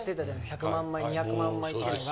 １００万枚２００万枚っていうのが。